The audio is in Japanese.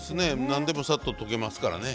何でもさっと溶けますからね。